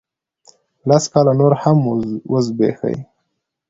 لس کاله نور هم وزبیښي